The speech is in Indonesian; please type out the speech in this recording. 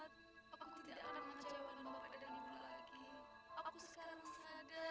memang ya kenapa